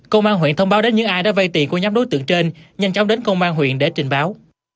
công an huyện thông báo đến những ai đã vay tiền của nhóm đối tượng trên nhanh chóng đến công an huyện để trình báo